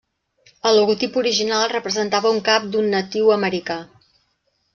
El logotip original representava un cap d'un natiu americà.